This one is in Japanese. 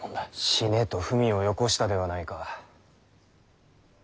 「死ね」と文をよこしたではないか。